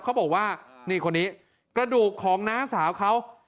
เขาบอกว่านี่คนนี้กระดูกของน้าสาวเขา